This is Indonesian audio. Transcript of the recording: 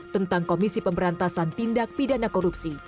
tentang komisi pemberantasan tindak pidana korupsi